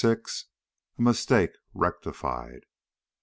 XXXVI. A MISTAKE RECTIFIED.